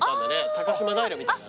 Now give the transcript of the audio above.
高島平みたいだね。